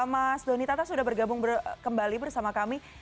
mas doni tata sudah bergabung kembali bersama kami